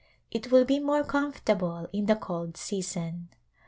It will be more comfortable in the cold season.